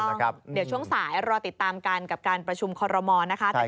เดี๋ยวช่วงสายรอติดตามกันกับการประชุมคอโรมอสรรจร